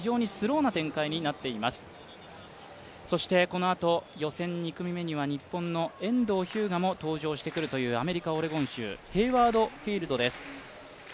このあと予選２組目には日本の遠藤日向も登場してくるというアメリカ・オレゴン州、ヘイワード・フィールドです。